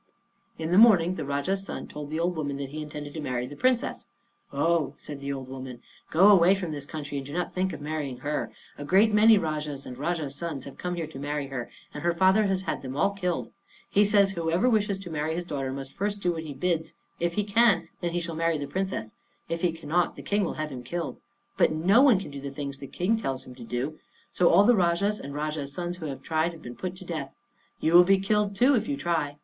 In the morning the Rajah's son told the old woman that he intended to marry the Princess. "Oh," said the old woman, "go away from this country, and do not think of marrying her. A great many Rajahs and Rajahs' sons have come here to marry her, and her father has had them all killed. He says whoever wishes to marry his daughter must first do whatever he bids him. If he can, then he shall marry the Princess; if he cannot, the King will have him killed. But no one can do the things the King tells him to do; so all the Rajahs and Rajahs' sons who have tried have been put to death. You will be killed too, if you try.